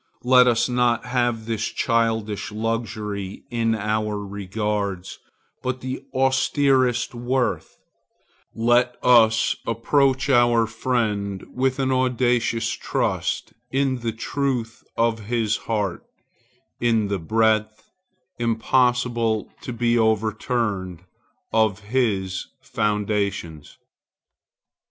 Let us not have this childish luxury in our regards, but the austerest worth; let us approach our friend with an audacious trust in the truth of his heart, in the breadth, impossible to be overturned, of his foundations.